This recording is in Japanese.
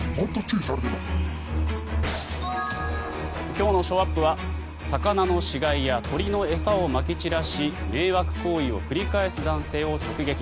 今日のショーアップは魚の死骸や鳥の餌をまき散らし迷惑行為を繰り返す男性を直撃。